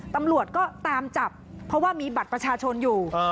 ตำรวจก็ตามจับเพราะว่ามีบัตรประชาชนอยู่